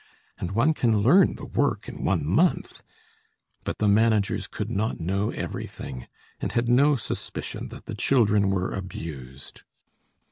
And one can learn the work in one month. But the managers could not know everything, and had no suspicion that the children were abused.